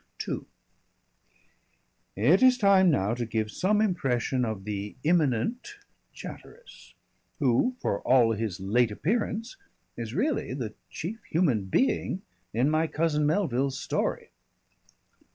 II It is time now to give some impression of the imminent Chatteris, who for all his late appearance is really the chief human being in my cousin Melville's story.